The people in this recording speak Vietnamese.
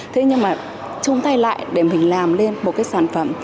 thế nhưng mà chung tay lại để mình làm lên một cái sản phẩm